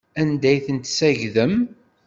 Anda ay ten-tessagdem?